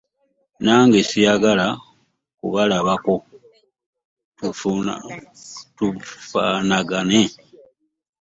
Nange siyagala kubalabako, tufanagane.